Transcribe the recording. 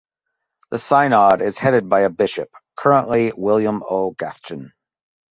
The synod is headed by a bishop, currently William O. Gafkjen.